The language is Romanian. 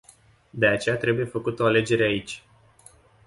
De aceea trebuie făcută o alegere aici.